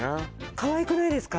かわいくないですか？